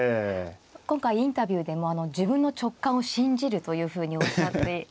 今回インタビューでも自分の直感を信じるというふうにおっしゃって。